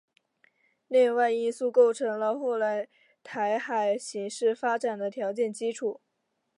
内外因素构成了后来台海形势发展的条件基础。